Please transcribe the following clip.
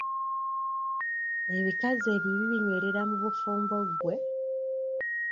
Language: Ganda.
Ebikazi ebibi binywerera mu bufumbo gwe.